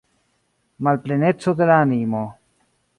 Malpleneco de la animo.